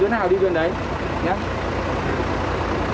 tuyến nào đi tuyến đấy nhé